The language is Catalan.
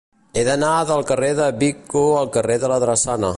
He d'anar del carrer de Vico al carrer de la Drassana.